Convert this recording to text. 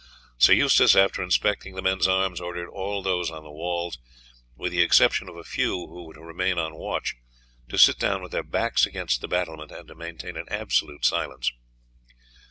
Sir Eustace, after inspecting the men's arms, ordered all those on the walls, with the exception of a few who were to remain on watch, to sit down with their backs against the battlement, and to maintain an absolute silence.